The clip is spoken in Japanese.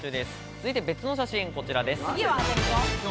続いて、別の写真こちらです。